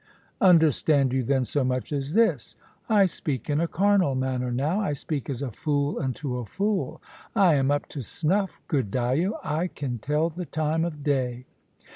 "Understand you then so much as this? I speak in a carnal manner now. I speak as a fool unto a fool. I am up to snuff, good Dyo; I can tell the time of day."